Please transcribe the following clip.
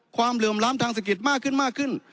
ความเหลื่อมล้ำทางศักดิ์กิจมากขึ้นมากขึ้น